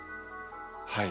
はい。